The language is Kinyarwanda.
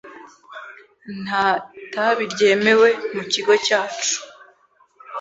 Nta itabi ryemewe mu kigo cyacu.